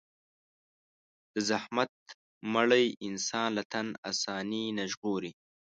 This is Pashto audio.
د زحمت مړۍ انسان له تن آساني نه ژغوري.